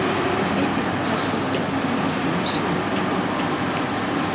It is part of the "Combat Mission" series.